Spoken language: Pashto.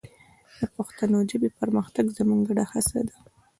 د پښتو ژبې پرمختګ زموږ ګډه هڅه ده.